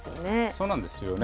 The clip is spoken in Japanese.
そうなんですよね。